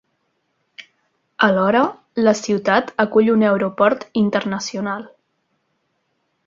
Alhora, la ciutat acull un aeroport internacional.